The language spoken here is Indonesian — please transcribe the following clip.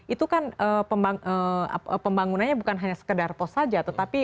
itu kan pembangunan bukan hanya sekedar pos saja tetapi